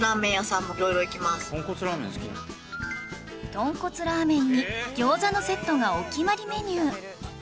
とんこつラーメンに餃子のセットがお決まりメニュー